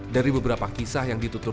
dari beberapa kisah yang ditutup